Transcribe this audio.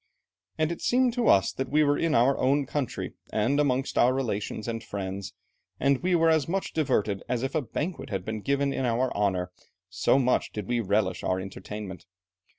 And it seemed to us that we were in our own country, and amongst our relations and friends; and we were as much diverted as if a banquet had been given in our honour, so much did we relish our entertainment.